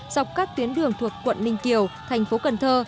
dọc các tuyến đường thuộc quận ninh kiều thành phố cần thơ